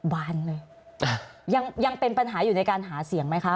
บานเลยยังยังเป็นปัญหาอยู่ในการหาเสียงไหมคะ